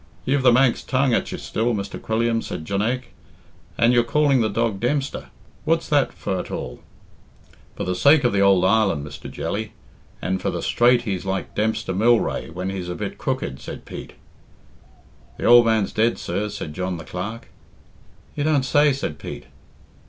"You've the Manx tongue at you still, Mr. Quilliam," said Jonaique; "and you're calling the dog Dempster; what's that for at all?" "For sake of the ould island, Mr. Jelly, and for the straight he's like Dempster Mylrea when he's a bit crooked," said Pete. "The old man's dead, sir," said John the Clerk. "You don't say?" said Pete.